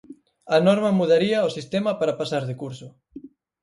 A norma mudaría o sistema para pasar de curso.